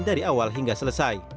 dari awal hingga selesai